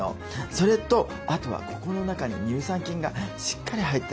それとあとはここの中に乳酸菌がしっかり入ってますから。